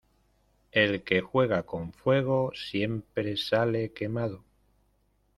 El que juega con fuego siempre sale quemado.